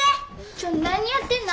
ちょっ何やってんの。